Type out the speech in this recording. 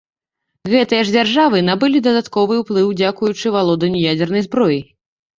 Гэтыя ж дзяржавы набылі дадатковы ўплыў дзякуючы валоданню ядзернай зброяй.